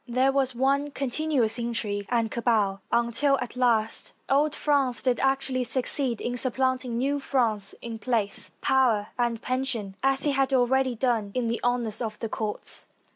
There was one continuous intrigue and cabal until, at last, old France did actually succeed in supplanting new France in place, power, and pension, as it had already done in the honors of the courts.